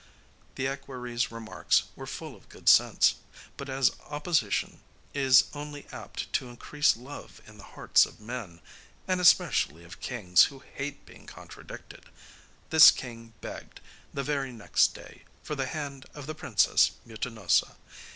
The equerry's remarks were full of good sense; but as opposition is only apt to increase love in the hearts of men, and especially of kings who hate being contradicted, this king begged, the very next day, for the hand of the Princess Mutinosa.